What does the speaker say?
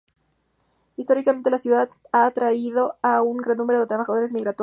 Históricamente la ciudad ha atraído a un gran número de trabajadores migratorios.